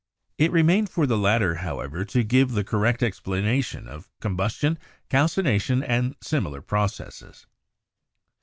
It remained for the latter, however, to give the correct explanation of combustion, calcination and similar processes.